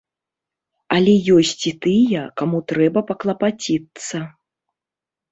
Але ёсць і тыя, каму трэба паклапаціцца.